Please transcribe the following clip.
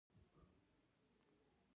د بخش اباد بند په فراه رود جوړیږي